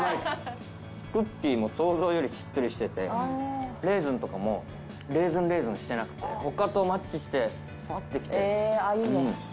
クッキーも想像よりしっとりしてて、レーズンとかもレーズンレーズンしてなくて、他とマッチして、フワっときて。